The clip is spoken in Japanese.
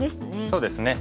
そうですね。